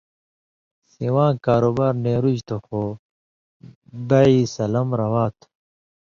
سِواں کاروبار نېرُژیۡ تھُو خو بیع سَلَم روا تھی۔